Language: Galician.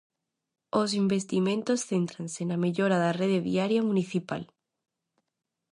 Os investimentos céntranse na mellora da rede viaria municipal: